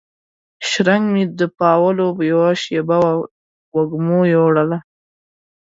شرنګ مې د پاولو یوه شیبه وه وږمو یووړله